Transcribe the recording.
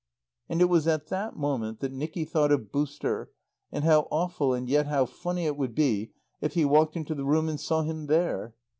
And it was at that moment that Nicky thought of "Booster," and how awful and yet how funny it would be if he walked into the room and saw him there.